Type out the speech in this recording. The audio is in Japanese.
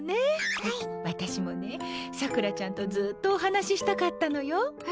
私もね、さくらちゃんとずっとお話ししたかったのよ。